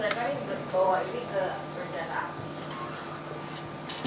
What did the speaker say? jadi mereka ini bawa ini ke perjalanan aksi